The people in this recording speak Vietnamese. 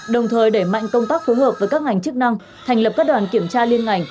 đồng thời đẩy mạnh công tác phối hợp với các ngành chức năng thành lập các đoàn kiểm tra liên ngành